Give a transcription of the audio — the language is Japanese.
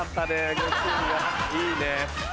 いいね。